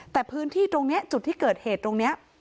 แต่พื้นที่ตรงนี้จุดที่เกิดเหตุตรงนี้